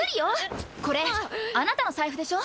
これあなたの財布でしょ。